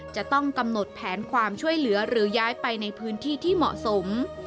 จะต้องกำหนดแผนความช่วยเหลือหรือย้ายไปในพื้นที่ที่เหมาะสม